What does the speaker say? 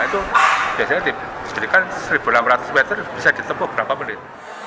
itu biasanya diberikan seribu lima ratus meter bisa ditemukan berapa menit